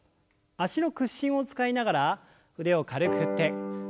脚の屈伸を使いながら腕を軽く振って。